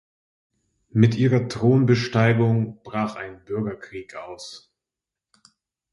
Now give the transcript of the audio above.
Mit ihrer Thronbesteigung brach ein Bürgerkrieg aus.